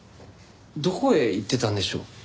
どこへ行ってたんでしょう？